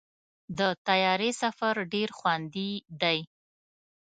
د طیارې سفر ډېر خوندي دی.